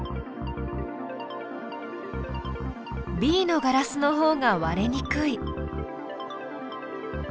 Ｂのガラスのほうが割れにくい。